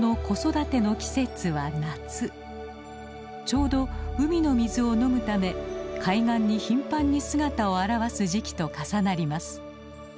ちょうど海の水を飲むため海岸に頻繁に姿を現す時期と重なります。